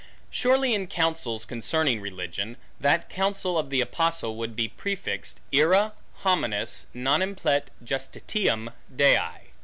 Surely in counsels concerning religion, that counsel of the apostle would be prefixed, Ira hominis non implet justitiam Dei.